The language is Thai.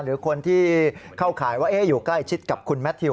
หรือคนที่เข้าข่ายว่าอยู่ใกล้ชิดกับคุณแมททิว